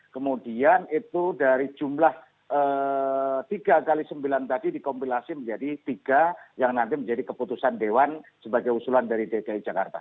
kemudian itu dari jumlah tiga x sembilan tadi dikompilasi menjadi tiga yang nanti menjadi keputusan dewan sebagai usulan dari dki jakarta